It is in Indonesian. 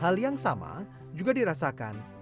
hal yang sama juga di rekomendasikan oleh masyarakat